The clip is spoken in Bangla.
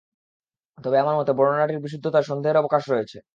তবে আমার মতে, বর্ণনাটির বিশুদ্ধতায় সন্দেহের অবকাশ রয়েছে।